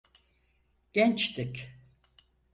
Gençtik.